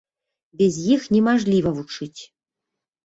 Без іх немажліва вучыць.